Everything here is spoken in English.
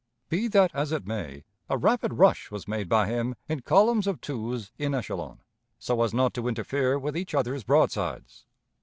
Be that as it may, a rapid rush was made by him in columns of twos in echelon, so as not to interfere with each other's broadsides.